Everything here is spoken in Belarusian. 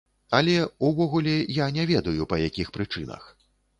Але, увогуле, я не ведаю, па якіх прычынах.